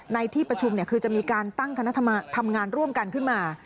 ในที่ประชุมคือจะมีการตั้งคณะทำงานร่วมกันขึ้นมา